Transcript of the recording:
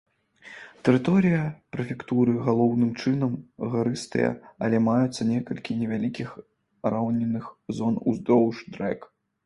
Тэрыторыя прэфектуры галоўным чынам гарыстая, але маюцца некалькі невялікіх раўнінных зон уздоўж рэк.